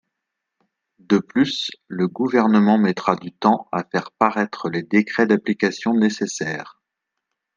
De plus, le Gouvernement mettra du temps à faire paraître les décrets d’application nécessaires.